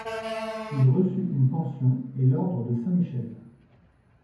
Il reçut une pension et l'Ordre de Saint-Michel.